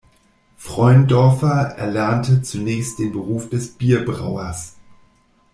Freundorfer erlernte zunächst den Beruf des Bierbrauers.